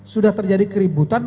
sudah terjadi keributan